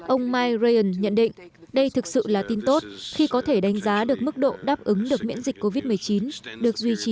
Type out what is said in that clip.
ông mike ryan nhận định đây thực sự là tin tốt khi có thể đánh giá được mức độ đáp ứng được miễn dịch covid một mươi chín